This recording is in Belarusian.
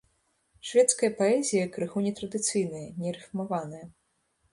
Шведская паэзія крыху нетрадыцыйная, нерыфмаваная.